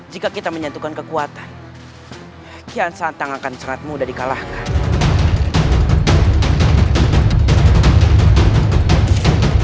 jika kita menyentuhkan kekuatan kian santang akan sangat mudah di kalahkan